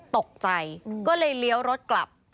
ตกใจก็เลยเลี้ยวรถกลับ